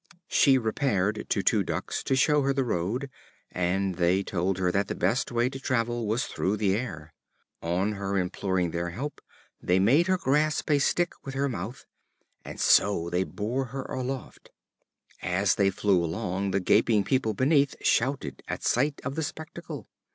She repaired to two Ducks to show her the road, and they told her that the best way to travel was through the air. On her imploring their help, they made her grasp a stick with her mouth, and so they bore her aloft. As they flew along, the gaping people beneath shouted at sight of the spectacle.